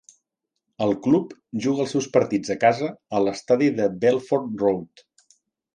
El club juga els seus partits a casa a l'estadi de Welford Road.